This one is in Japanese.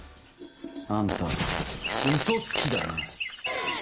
あんた、うそつきだね。